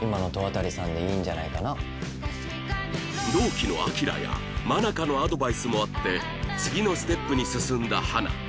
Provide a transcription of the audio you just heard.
同期の晃や愛香のアドバイスもあって次のステップに進んだ花